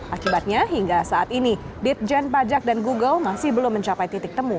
akibatnya hingga saat ini ditjen pajak dan google masih belum mencapai titik temu